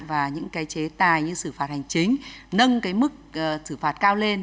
và những cái chế tài như xử phạt hành chính nâng cái mức xử phạt cao lên